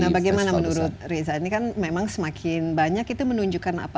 karena menurut reza ini kan memang semakin banyak itu menunjukkan apa